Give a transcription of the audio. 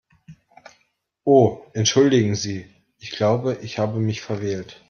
Oh entschuldigen Sie, ich glaube, ich habe mich verwählt.